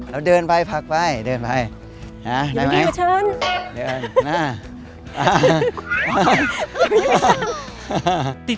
แล้วเดินไปพักไปเดินไป